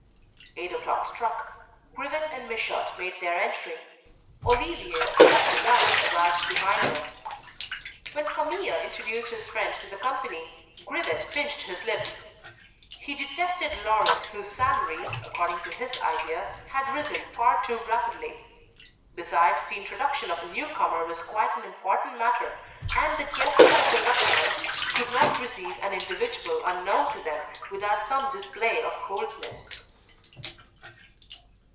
Eight o'clock struck. Grivet and Michaud made their entry. Olivier and Suzanne arrived behind them. When Camille introduced his friend to the company, Grivet pinched his lips. He detested Laurent whose salary, according to his idea, had risen far too rapidly. Besides, the introduction of a new comer was quite an important matter, and the guests of the Raquins could not receive an individual unknown to them, without some display of coldness.